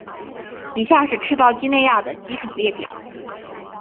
以下是赤道畿内亚的机场列表。